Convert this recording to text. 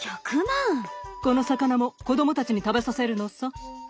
この魚も子どもたちに食べさせるのさ。